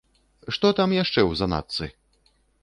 Што там яшчэ ў заначцы?